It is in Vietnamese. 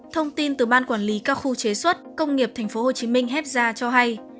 thông tin từ ban quản lý các khu chế xuất công nghiệp tp hcm hép ra cho hay